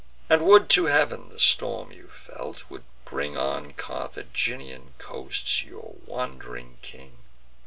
And would to Heav'n, the Storm, you felt, would bring On Carthaginian coasts your wand'ring king.